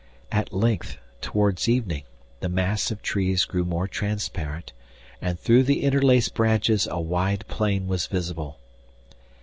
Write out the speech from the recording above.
At length, towards evening, the mass of trees grew more transparent, and through the interlaced branches a wide plain was visible.